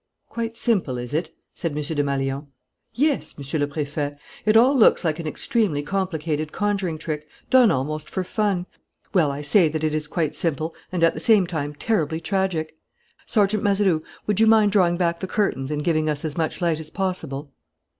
"Quite simple, is it?" said M. Desmalions. "Yes, Monsieur le Préfet. It all looks like an extremely complicated conjuring trick, done almost for fun. Well, I say that it is quite simple and, at the same time, terribly tragic. Sergeant Mazeroux, would you mind drawing back the curtains and giving us as much light as possible?"